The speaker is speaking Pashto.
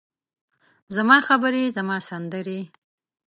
زما خبرې، زما سندرې،